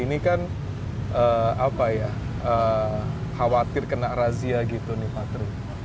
ini kan apa ya khawatir kena razia gitu nih pak tris